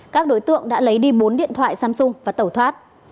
các đối tượng đã lấy đi bốn điện thoại samsung và tẩu thoát